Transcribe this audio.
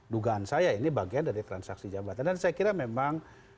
dugaan saya ini bagian dari transaksi jabatan